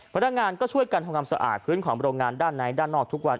พนักงานก็ช่วยกันทำความสะอาดพื้นของโรงงานด้านในด้านนอกทุกวัน